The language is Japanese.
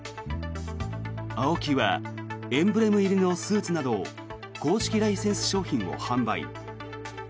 ＡＯＫＩはエンブレム入りのスーツなど公式ライセンス商品を販売。